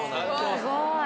すごい！